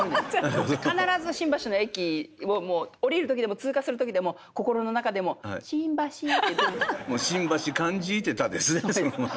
必ず新橋の駅を降りる時でも通過する時でも心の中でも「新橋」って言ってます。